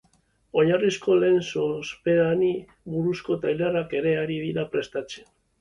Oinarrizko lehen sorospenei buruzko tailerrak ere ari dira prestatzen.